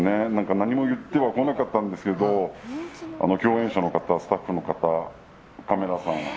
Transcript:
何も言ってはこなかったんですけど共演者の方、スタッフの方カメラさん